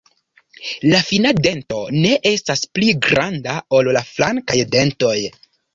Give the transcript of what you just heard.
La fina dento ne estas pli granda ol la flankaj dentoj.